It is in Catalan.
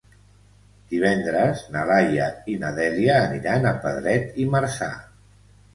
Divendres na Laia i na Dèlia aniran a Pedret i Marzà.